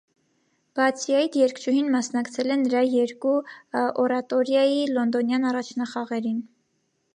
Բացի այդ, երգչուհին մասնակցել է նրա երկու օրատորիայի լոնդոնյան առաջնախաղերին։